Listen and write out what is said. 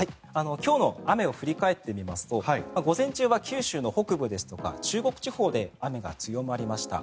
今日の雨を振り返ってみますと午前中は九州の北部ですとか中国地方で雨が強まりました。